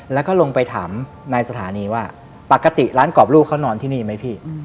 แล้วก็ลงไปถามในสถานีว่าปกติร้านกรอบลูกเขานอนที่นี่ไหมพี่